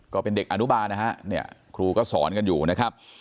ก็เป็นเด็กอนุบาลนะฮะเนี่ยครูก็สอนกันอยู่นะครับ